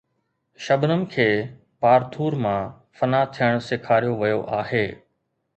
شبنم کي پارٿور مان فنا ٿيڻ سيکاريو ويو آهي